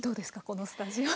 このスタジオ。